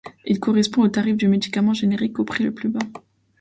Il correspond au tarif du médicament générique au prix le plus bas.